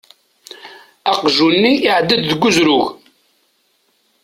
Aqjun-nni iεedda-d deg uzrug.